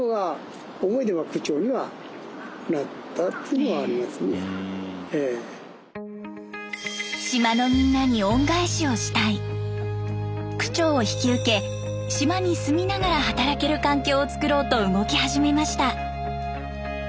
じゃあ区長を引き受け島に住みながら働ける環境を作ろうと動き始めました。